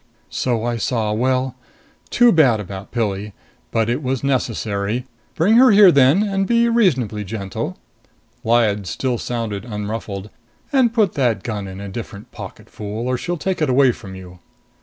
"So I saw. Well too bad about Pilli. But it was necessary. Bring her here then. And be reasonably gentle." Lyad still sounded unruffled. "And put that gun in a different pocket, fool, or she'll take it away from you."